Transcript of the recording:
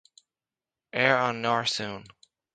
Ar an ngarsún